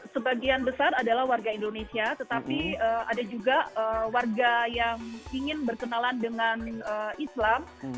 sebagian besar adalah warga indonesia tetapi ada juga warga yang ingin berkenalan dengan islam